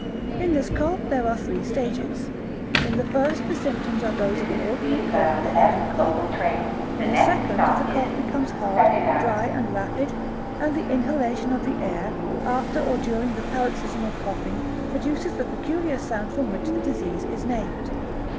In this cough there are three stages. In the first the symptoms are those of an ordinary cold in the head and cough. In the second the cough becomes hard, dry and rapid, and the inhalation of the air, after or during the paroxysm of coughing produces the peculiar sound from which the disease is named.